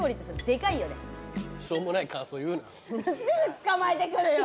すぐつかまえてくるよ。